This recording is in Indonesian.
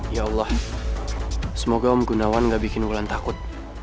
ya allah semoga om gundawan nggak bikin wulan takut